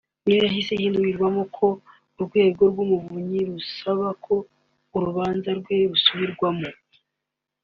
ni yo yahise ihindurwamo ko Urwego rw’Umuvunyi rusaba ko urubanza rwe rusubirwamo